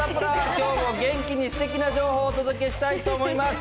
きょうも元気にすてきな情報をお届けしたいと思います。